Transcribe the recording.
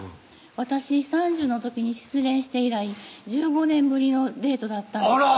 私３０の時に失恋して以来１５年ぶりのデートだったんですあら！